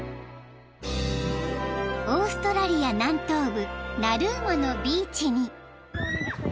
［オーストラリア南東部ナルーマのビーチに］